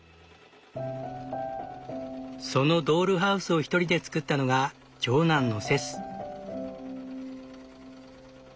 そのドールハウスを１人で作ったのが長男のセス。